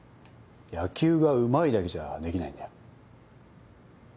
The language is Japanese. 野球がうまいだけじゃできないんだよ